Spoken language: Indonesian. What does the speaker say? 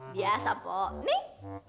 biasa pak nih